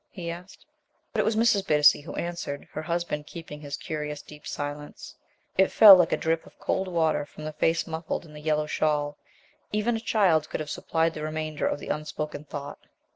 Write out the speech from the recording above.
he asked. But it was Mrs. Bittacy who answered; her husband keeping his curious deep silence. "I never did!" It fell like a drip of cold water from the face muffled in the yellow shawl; even a child could have supplied the remainder of the unspoken thought.